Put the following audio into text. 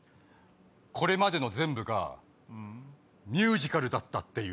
これまでの全部がミュージカルだったっていう。